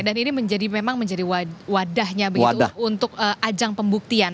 dan ini memang menjadi wadahnya begitu untuk ajang pembuktian